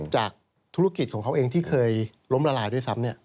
จากธุรกิจของเขาเองที่เคยล้มละลายด้วยซ้ำ